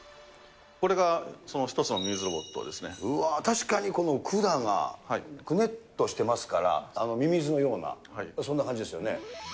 これがその１つのミミズロボうわー、確かにこの管がくねっとしてますから、ミミズのような、そんな感